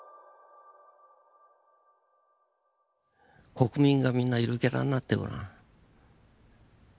国民がみんなゆるキャラになってごらん。